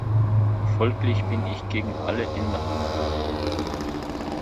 Folglich bin ich gegen alle Änderungen.